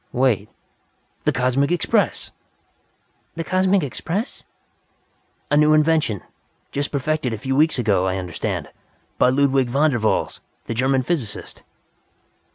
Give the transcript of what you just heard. Wait! The Cosmic Express." "The Cosmic Express?" "A new invention. Just perfected a few weeks ago, I understand. By Ludwig Von der Valls, the German physicist."